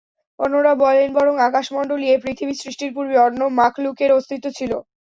অন্যরা বলেন বরং আকাশমণ্ডলী ও পৃথিবী সৃষ্টির পূর্বে অন্য মাখলুকের অস্তিত্ব ছিল।